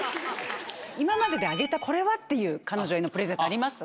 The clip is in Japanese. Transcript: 今までであげたこれは！っていう彼女へのプレゼントあります？